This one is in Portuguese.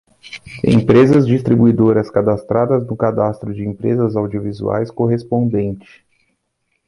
Empresas distribuidoras cadastradas no cadastro de empresas audiovisuais correspondente.